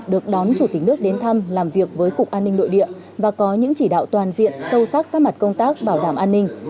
được đón chủ tịch nước đến thăm làm việc với cục an ninh nội địa và có những chỉ đạo toàn diện sâu sắc các mặt công tác bảo đảm an ninh